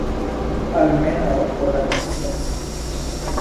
Almenaŭ por la konscienco.